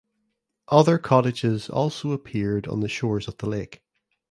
Other cottages also appeared on the shores of the lake.